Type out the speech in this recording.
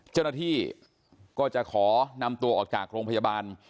เจ้าหน้าที่ก็จะขอนำตัวออกจากโรงพยาบาล